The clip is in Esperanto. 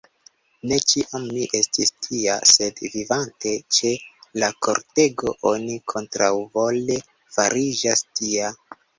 Ne ĉiam mi estis tia; sed, vivante ĉe la kortego, oni kontraŭvole fariĝas tia.